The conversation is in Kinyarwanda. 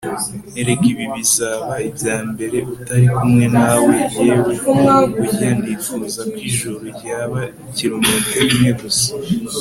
erega ibi bizaba ibya mbere utari kumwe nawe yewe, burya nifuza ko ijuru ryaba kilometero imwe gusa